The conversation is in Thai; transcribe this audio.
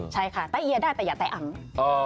ใช่ค่ะแตะเอียได้แต่อย่าแตะอัง